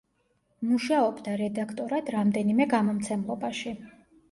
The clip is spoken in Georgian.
მუშაობდა რედაქტორად რამდენიმე გამომცემლობაში.